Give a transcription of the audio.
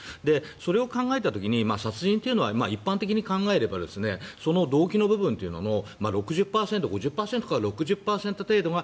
それを考えた時に殺人は、一般的に考えればその動機の部分というのの５０％から６０％程度が